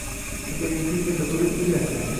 Agar Yupiterda urik gullasa